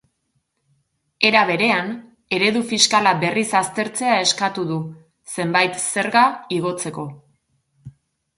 Era berean, eredu fiskala berriz aztertzea eskatu du, zenbait zerga igotzeko.